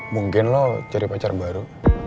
mungkin lo cari pacar baru